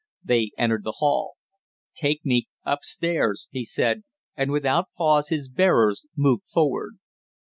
They entered the hall. "Take me up stairs," he said, and without pause his bearers moved forward.